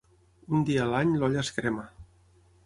Un dia a l'any l'olla es crema.